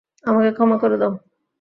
আমাকে ক্ষমা করে দাও।